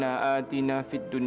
ya allah kami beri kemampuan